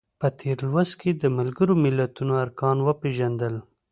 په تېر لوست کې د ملګرو ملتونو ارکان وپیژندل.